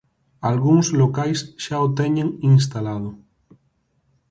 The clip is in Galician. Algúns locais xa o teñen instalado.